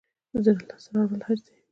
زړه لاس ته راوړل حج دی